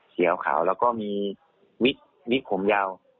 เขียวขาวแล้วก็มีวิกผมยาว